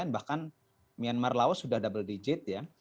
bahkan myanmar laos sudah double digit ya